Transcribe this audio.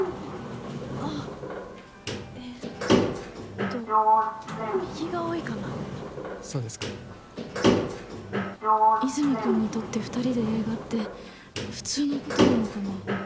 あえっと右が多いかなそうですか和泉君にとって二人で映画って普通のことなのかな？